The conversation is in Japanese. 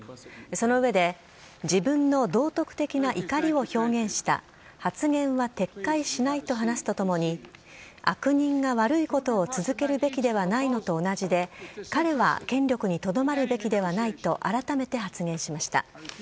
その上で、自分の道徳的な怒りを表現した、発言は撤回しないと話すとともに、悪人が悪いことを続けるべきではないのと同じで、彼は権力にとどまるべきではないと改めて発言しました。